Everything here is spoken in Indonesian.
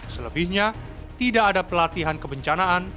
selebihnya tidak ada pelatihan kebencanaan